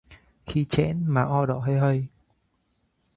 Khi trẽn, má o đỏ hây hây